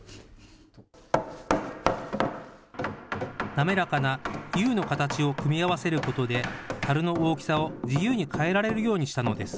滑らかなＵの形を組み合わせることで、たるの大きさを自由に変えられるようにしたのです。